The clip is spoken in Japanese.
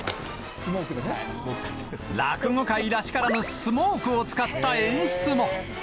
落語会らしからぬ、スモークを使った演出も。